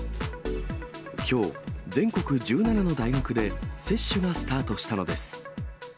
きょう、全国１７の大学で接種がスタートしたのです。